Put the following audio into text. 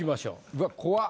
うわっ怖っ。